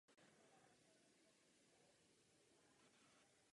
Čankajšek město obsadil a změnil zákaz opia ve státní monopol.